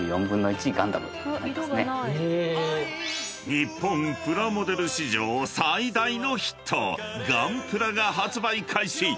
［日本プラモデル史上最大のヒットガンプラが発売開始］